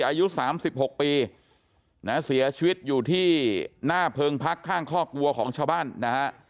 อายุ๓๖ปีนะเสียชีวิตอยู่ที่หน้าเพิงพักข้างคอกวัวของชาวบ้านนะฮะ